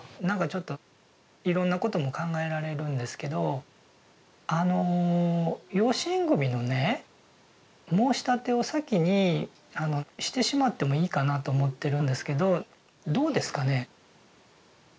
なんかちょっといろんなことも考えられるんですけどあの養子縁組のね申立を先にしてしまってもいいかなと思ってるんですけどどうですかね？